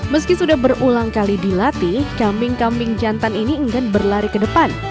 meski sudah berulang kali dilatih kambing kambing jantan ini enggan berlari ke depan